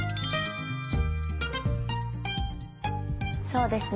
そうですね